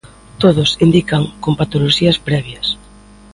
Todos, indican, con patoloxías previas.